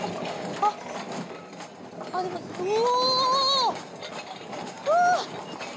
あっでもうお！